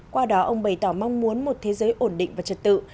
qua đó ông bày tỏ mong muốn một thế giới ổn định và trật tự